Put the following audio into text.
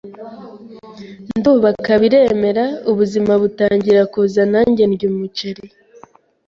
ndubaka biremera, ubuzima butangira kuza nanjye ndya umuceri